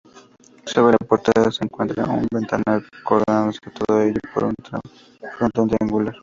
Sobre la portada se encuentra un ventanal, coronándose todo ello por un frontón triangular.